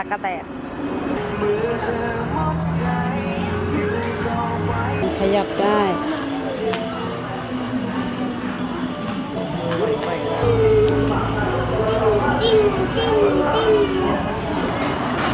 ก็คือมันมีตั๊กเล็ก